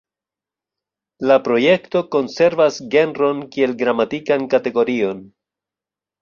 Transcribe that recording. La projekto konservas genron kiel gramatikan kategorion.